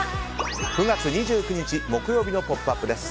９月２９日、木曜日の「ポップＵＰ！」です。